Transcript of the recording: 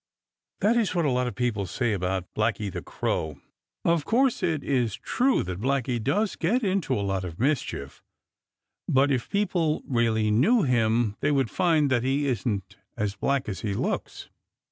That is what a lot of people say about Blacky the Crow. Of course it is true that Blacky does get into a lot of mischief, but if people really knew him they would find that he isn't as black as he looks.